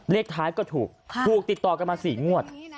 เลขท้ายก็ถูกถูกติดต่อกันมา๔งวด